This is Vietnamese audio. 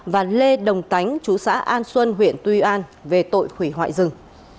và lê đồng tánh chú xã an xuân huyện tuy an về tội hủy hoại rừng